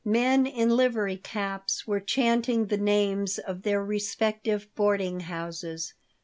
Men in livery caps were chanting the names of their respective boarding houses.